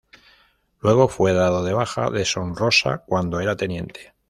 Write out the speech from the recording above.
Luego fue dado de baja deshonrosa cuando era teniente.